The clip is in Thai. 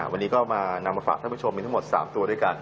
วันนี้ก็มานำมาฝากท่านผู้ชมมีทั้งหมด๓ตัวด้วยกัน